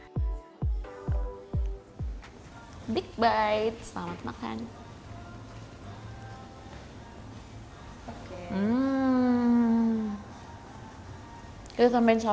devil choco cake yang memiliki beberapa lapisan kue coklat dengan sentuhan dekorasi emas justru menarik perhatian saya